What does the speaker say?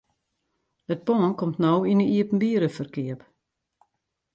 It pân komt no yn 'e iepenbiere ferkeap.